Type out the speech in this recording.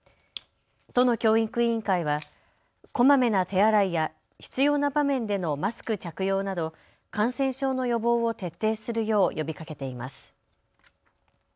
都の教育委員会はこまめな手洗いや必要な場面でのマスク着用など感染症の予防を徹底するよう呼びかけています。